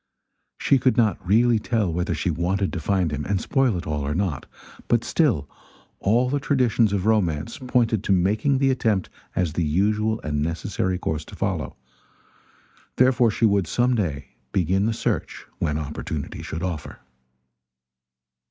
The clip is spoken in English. She could not really tell whether she wanted to find him and spoil it all or not; but still all the traditions of romance pointed to the making the attempt as the usual and necessary course to follow; therefore she would some day begin the search when opportunity should offer.